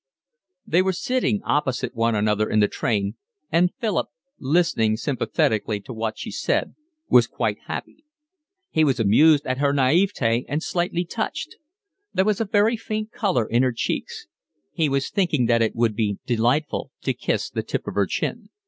They were sitting opposite one another in the train, and Philip, listening sympathetically to what she said, was quite happy. He was amused at her naivete and slightly touched. There was a very faint colour in her cheeks. He was thinking that it would be delightful to kiss the tip of her chin.